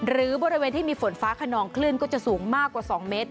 หรือบริเวณที่มีฝนฟ้าขนองคลื่นก็จะสูงมากกว่า๒เมตร